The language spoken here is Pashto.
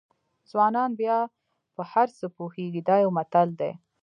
ځوانان بیا په هر څه پوهېږي دا یو متل دی.